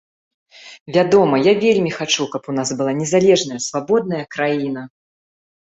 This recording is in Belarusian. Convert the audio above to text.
Вядома, я вельмі хачу, каб у нас была незалежная, свабодная краіна.